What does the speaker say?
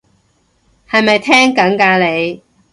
係咪聽緊㗎你？